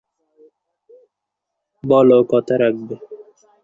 বলো, কথা রাখবে।